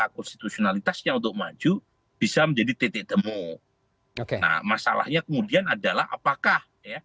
konstitusionalitasnya untuk maju bisa menjadi titik temu nah masalahnya kemudian adalah apakah